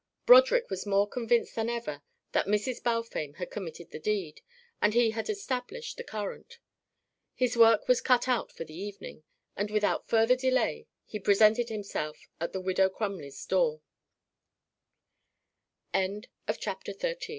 Broderick was more convinced than ever that Mrs. Balfame had committed the deed, and he had established the current. His work was "cut out" for the evening; and without further delay he presented himself at the Widow Crumley's door. CHAPTER XIV Supper was over and Broderick and Mi